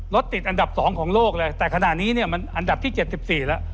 รถติดอันดับ๒ของโลกเลยแต่ขณะนี้อันดับที่๗๔แล้ว